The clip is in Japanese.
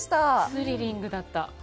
スリリングだった。